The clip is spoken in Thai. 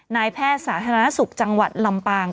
นายแพทย์สาธารณสุขจังหวัดลำปาง